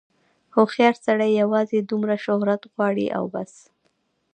هوښیار سړی یوازې دومره شهرت غواړي او بس.